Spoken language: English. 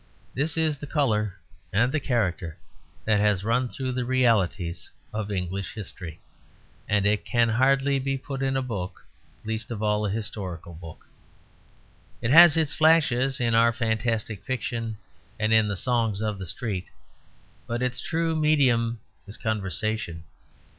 This is the colour and the character that has run through the realities of English history, and it can hardly be put in a book, least of all a historical book. It has its flashes in our fantastic fiction and in the songs of the street, but its true medium is conversation.